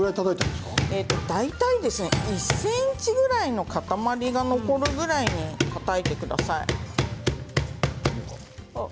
大体１ｃｍくらいの塊が残るぐらい、たたいてください。